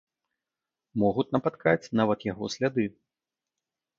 Могуць напаткаць нават яго сляды.